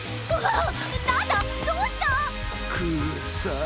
あっ！